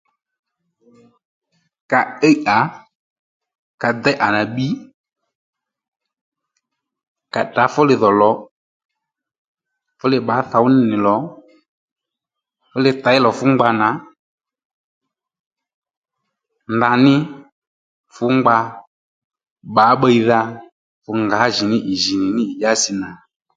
Ka íy à ka déy à nà bbiy ka tdrǎ fúli dhò lò fúli bbǎ thów ní nì lò fúli těy lò fú ngba nà ndaní fú ngba bbǎ bbiydha fu ngǎjìní nì ì jì ní nì ì dyási nà